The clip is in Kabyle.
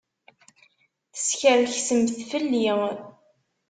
Teskerksemt fell-i.